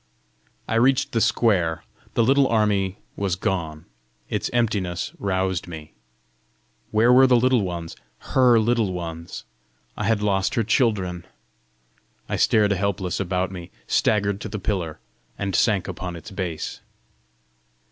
I reached the square: the little army was gone! Its emptiness roused me. Where were the Little Ones, HER Little Ones? I had lost her children! I stared helpless about me, staggered to the pillar, and sank upon its base.